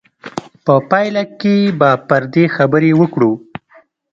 په پایله کې به پر دې خبرې وکړو.